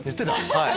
はい。